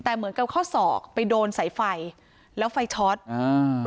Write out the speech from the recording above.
แต่เหมือนกับข้อศอกไปโดนสายไฟแล้วไฟช็อตอ่า